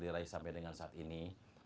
diraih sampai dengan saat ini